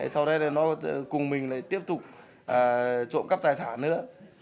sau đây là nó cùng mình lại tiếp tục trộm cắp tài sản nữa